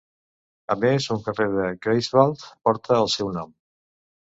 A més, un carrer a Greifswald porta el seu nom.